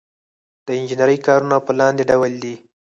د انجنیری کارونه په لاندې ډول دي.